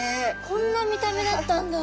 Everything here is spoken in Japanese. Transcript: こんな見た目だったんだ！